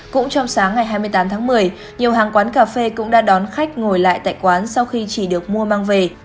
cũng trong sáng ngày hai mươi tám tháng một mươi nhiều hàng quán cà phê cũng đã đón khách ngồi lại tại quán sau khi chỉ được mua mang về